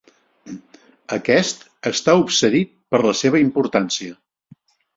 Aquest està obsedit per la seva importància.